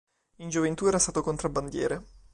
In gioventù era stato contrabbandiere.